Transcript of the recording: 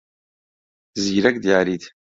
زیرەک دیاریت.